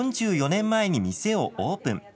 ４４年前に店をオープン。